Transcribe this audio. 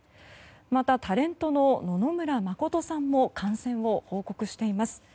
また、タレントの野々村真さんも感染を報告しています。